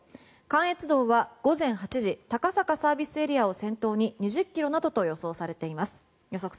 関越道は午前８時高坂ＳＡを先頭に２０ｋｍなどと予測されています。